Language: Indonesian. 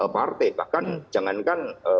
partai bahkan jangankan